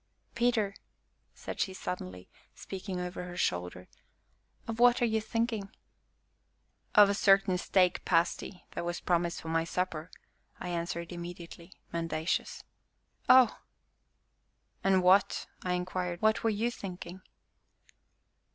"Peter," said she suddenly, speaking over her shoulder, "of what are you thinking?" "Of a certain steak pasty that was promised for my supper," I answered immediately, mendacious. "Oh!" "And what," I inquired, "what were you thinking?"